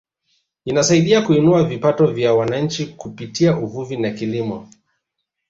Inasaidia kuinua vipato vya wananchi kupitia uvuvi na kilimo